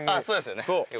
そうですよね。